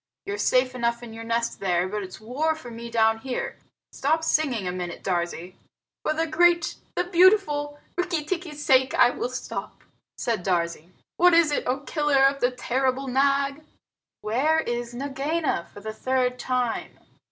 You're safe enough in your nest there, but it's war for me down here. Stop singing a minute, Darzee." "For the great, the beautiful Rikki tikki's sake I will stop," said Darzee. "What is it, O Killer of the terrible Nag?" "Where is Nagaina, for the third time?"